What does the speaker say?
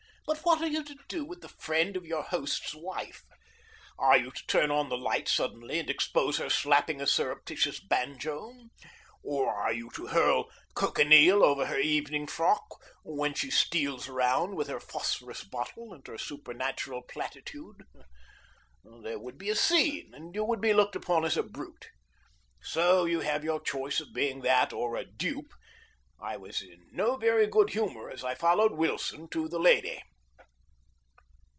But what are you to do with the friend of your host's wife? Are you to turn on a light suddenly and expose her slapping a surreptitious banjo? Or are you to hurl cochineal over her evening frock when she steals round with her phosphorus bottle and her supernatural platitude? There would be a scene, and you would be looked upon as a brute. So you have your choice of being that or a dupe. I was in no very good humor as I followed Wilson to the lady.